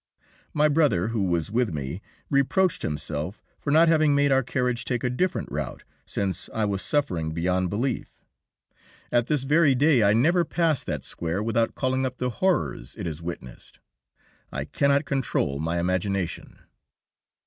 My brother, who was with me, reproached himself for not having made our carriage take a different route, since I was suffering beyond belief. At this very day I never pass that square without calling up the horrors it has witnessed I cannot control my imagination.